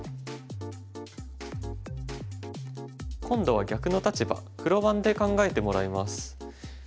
今度は逆の立場黒番で考えてもらいます。